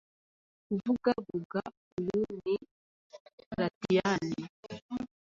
Kuvuga Vuga uyu ni Latiyani